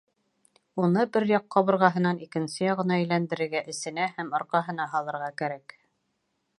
Уны бер яҡ ҡабырғаһынан икенсе яғына әйләндерергә, эсенә һәм арҡаһына һалырға кәрәк.